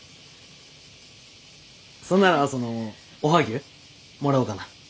そんならそのおはぎゅうもらおうかな。